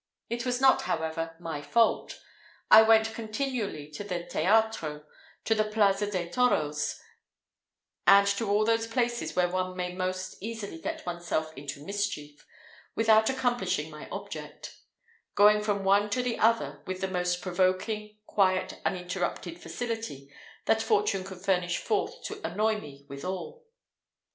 It was not, however, my fault. I went continually to the Teatro, to the Plaza de Toros, and to all those places where one may most easily get one's self into mischief, without accomplishing my object; going from one to the other with the most provoking, quiet, uninterrupted facility that fortune could furnish forth to annoy me withal.